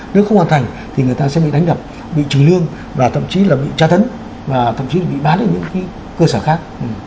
nếu không hoàn thành thì người ta sẽ bị đánh bạc bị trừ lương và thậm chí là bị tra thấn và thậm chí là bị bán ở những cái cơ sở khác